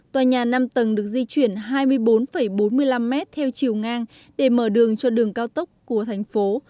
tòa nhà năm tầng được di chuyển hai mươi bốn bốn mươi năm mét theo chiều ngang để mở đường cho đường cao tốc của thành phố